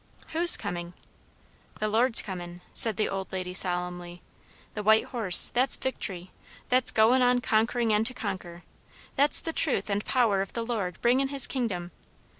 "Whose coming?" "The Lord's comin'," said the old lady solemnly. "The white horse, that's victory; that's goin' on conquering and to conquer; that's the truth and power of the Lord bringin' his kingdom.